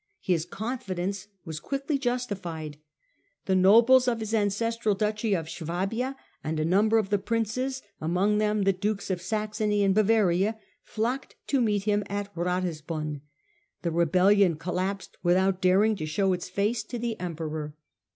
His confidence was quickly justified. The nobles of his ancestral duchy of Suabia and a number of the Princes, among them the Dukes of Saxony and Bavaria, flocked to meet him at Ratisbon. The rebellion collapsed without daring to show its face to the Emperor.